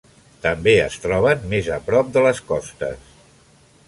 També es troben més prop de les costes.